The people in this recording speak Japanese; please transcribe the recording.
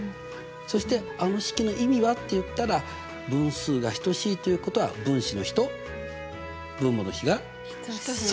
そしてあの式の意味はって言ったら分数が等しいということは分子の比と分母の比が？等しい。